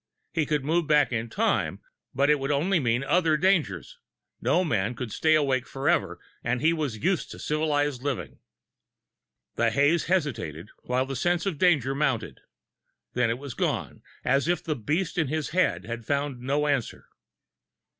He could move back in time, but it would only mean other dangers no man could stay awake forever, and he was used to civilized living. The haze hesitated, while the sense of danger mounted. Then it was gone, as if the beast in his head had found no answer.